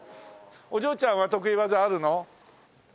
お嬢ちゃんは得意技あるの？